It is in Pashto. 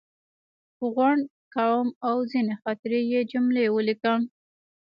غونډ، قوم او ځینې خاطرې یې جملې ولیکم.